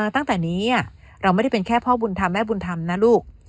ตั้งแต่นี้เราไม่ได้เป็นแค่พ่อบุญธรรมแม่บุญธรรมนะลูก